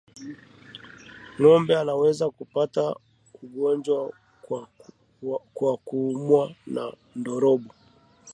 Ngombe wanaweza kupata ugonjwa kwa kuumwa na ndorobo